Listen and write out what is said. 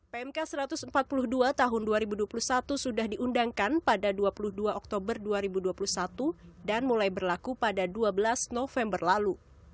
pmk satu ratus empat puluh dua tahun dua ribu dua puluh satu sudah diundangkan pada dua puluh dua oktober dua ribu dua puluh satu dan mulai berlaku pada dua belas november lalu